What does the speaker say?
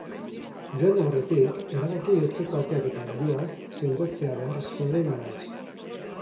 Joan aurretik, erabaki etxeko ateak eta leihoak sendotzea beharrezkoa den ala ez.